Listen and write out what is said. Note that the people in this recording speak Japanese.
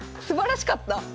すばらしかった！